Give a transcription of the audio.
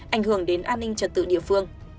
ảnh hưởng đến an ninh trật tự địa phương